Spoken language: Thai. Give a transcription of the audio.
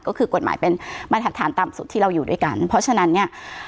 ก็คือกฎหมายเป็นมาตรฐานต่ำสุดที่เราอยู่ด้วยกันเพราะฉะนั้นเนี่ย